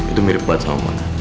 itu mirip banget sama mona